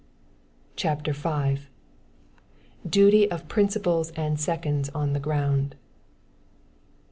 CHAPTER V. Duty of Principals and Seconds on the Ground.